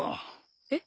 えっ？